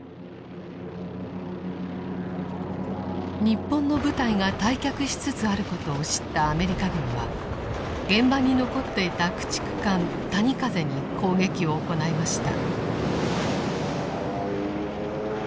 日本の部隊が退却しつつあることを知ったアメリカ軍は現場に残っていた駆逐艦「谷風」に攻撃を行いました。